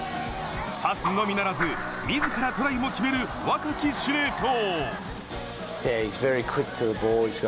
パスのみならず自らトライも決める若き司令塔。